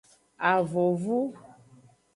Avonvu.